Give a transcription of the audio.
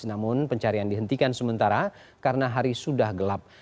namun pencarian dihentikan sementara karena hari sudah gelap